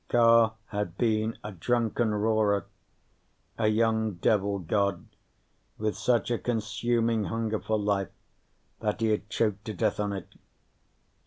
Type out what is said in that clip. Carr had been a drunken roarer, a young devil god with such a consuming hunger for life that he had choked to death on it.